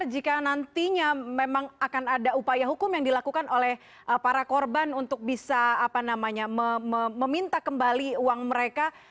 jika nantinya memang akan ada upaya hukum yang dilakukan oleh para korban untuk bisa meminta kembali uang mereka